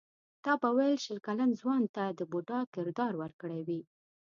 تا به ویل شل کلن ځوان ته د بوډا کردار ورکړی وي.